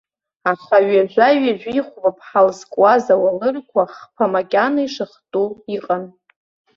Аха ҩажәа-ҩажәихәба ԥҳал зкуаз ауалырқәа хԥа макьана ишыхту иҟан.